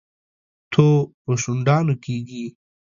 تو په شونډانو کېږي.